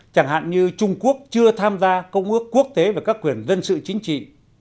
chẳng hạn như trung quốc chưa tham gia công ước quốc tế về các quyền dân sự chính trị